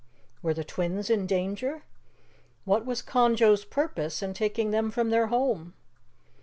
Were the twins in danger? What was Conjo's purpose in taking them from their home?